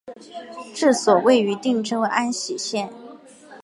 治所位于定州安喜县。